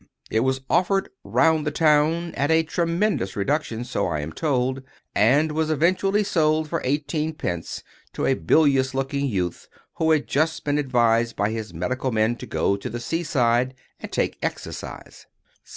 It was offered round the town at a tremendous reduction, so I am told; and was eventually sold for eighteenpence to a bilious looking youth who had just been advised by his medical men to go to the sea side, and take exercise.